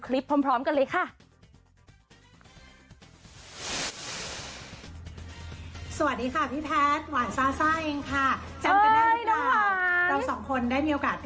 แล้วเล่นก็ได้ค่ะ